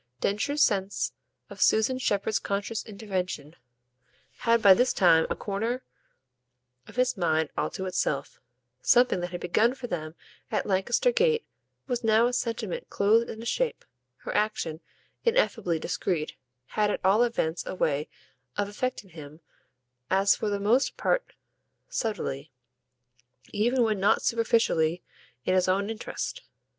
Densher's sense of Susan Shepherd's conscious intervention had by this time a corner of his mind all to itself; something that had begun for them at Lancaster Gate was now a sentiment clothed in a shape; her action, ineffably discreet, had at all events a way of affecting him as for the most part subtly, even when not superficially, in his own interest.